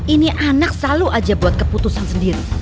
ini anak selalu aja buat keputusan sendiri